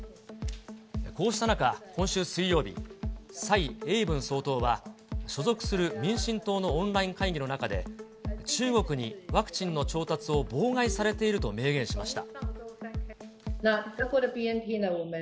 こうした中、今週水曜日、蔡英文総統は、所属する民進党のオンライン会議の中で、中国にワクチンの調達を妨害されていると明言しました。